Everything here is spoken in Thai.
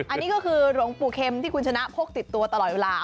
อันนี้ก็คือหลวงปู่เข็มที่คุณชนะพกติดตัวตลอดเวลา